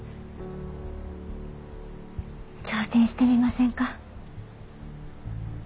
挑戦してみませんか？